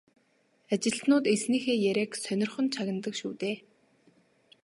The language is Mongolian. Ажилтнууд эзнийхээ яриаг сонирхон чагнадаг шүү дээ.